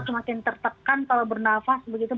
semakin tertekan kalau bernafas begitu